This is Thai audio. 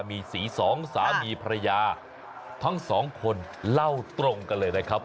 มีสีสองสามีภรรยาทั้งสองคนเล่าตรงกันเลยนะครับ